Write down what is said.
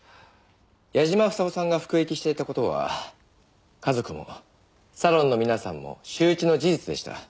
矢嶋房夫さんが服役していた事は家族もサロンの皆さんも周知の事実でした。